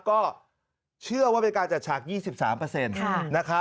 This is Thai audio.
ก็เชื่อว่าเป็นการจัดฉาก๒๓